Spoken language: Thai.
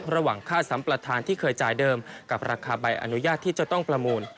ระหว่างค่าสัมประธานที่เคยจ่ายเดิมกับราคาใบอนุญาตที่จะต้องประมูล